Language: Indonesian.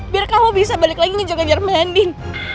biar kamu bisa balik lagi ngejok ngejar mbak andin